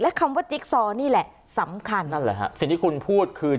คำว่าจิ๊กซอนี่แหละสำคัญนั่นแหละฮะสิ่งที่คุณพูดคือ